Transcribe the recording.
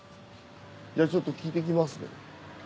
じゃあちょっと聞いてきますね。